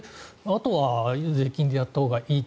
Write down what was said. あとは税金でやったほうがいい。